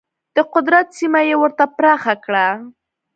د قدرت سیمه یې ورته پراخه کړه.